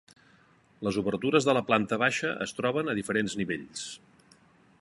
Les obertures de la planta baixa es troben a diferents nivells.